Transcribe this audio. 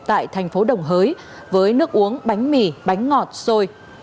tại thành phố đồng hới với nước uống bánh mì bánh ngọt xôi